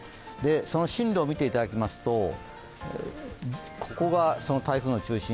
その進路を見ていただきますとここがその台風の中心。